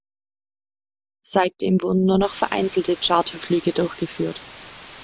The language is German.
Seitdem wurden nur noch vereinzelte Charterflüge durchgeführt.